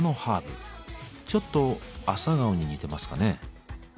ちょっとアサガオに似てますかね。